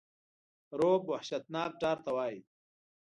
رعب وحشتناک ډار ته وایی.